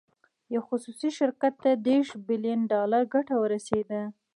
یو خصوصي شرکت ته دېرش بیلین ډالر ګټه ورسېده.